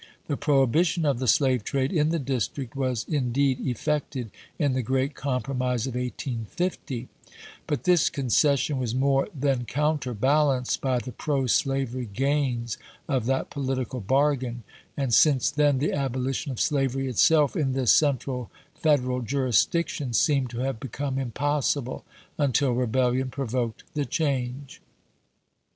The prohibition of the slave trade in the District was indeed effected in the great compromise of 1850; but this concession was more than counterbalanced by the pro slavery gains of that political bargain, and since then the abolition of slavery itself in this central Federal jurisdiction seemed to have become impossible until rebellion provoked the change.